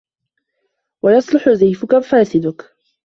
وَيُصْلِحُ زَيْفَك وَفَاسِدَك